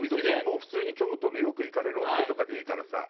もう普通に京都のよく行かれるお店とかでいいからさ。